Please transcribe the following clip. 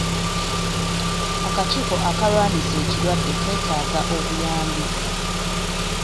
Akakiiko akalwanyisa ekirwadde keetaaga obuyambi.